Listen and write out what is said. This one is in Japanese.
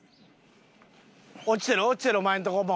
落ちてる落ちてるお前のとこも。